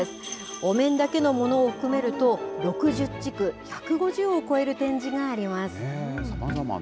お面だけのものを含めると、６０地区、１５０を超える展示があります。